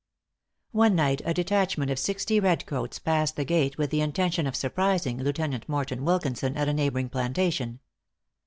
One night a detachment of sixty redcoats passed the gate with the intention of surprising Lieutenant Morton Wilkinson at a neighboring plantation.